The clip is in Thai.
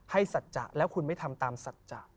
ให้สจะแล้วคุณไม่ทำตามสจะ